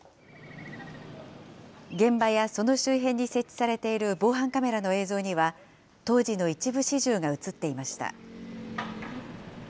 現場やその周辺に設置されている防犯カメラの映像には、当時の一部始終が写っていました。